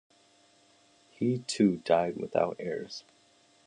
He too died without heirs.